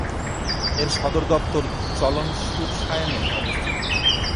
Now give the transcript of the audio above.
এর সদর দফতর চলন-সুর-সায়েনে অবস্থিত।